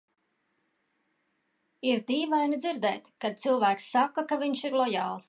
Ir dīvaini dzirdēt, kad cilvēks saka, ka viņš ir lojāls.